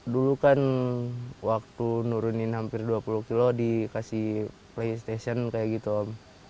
dulu kan waktu nurunin hampir dua puluh kilo dikasih playstation kayak gitu om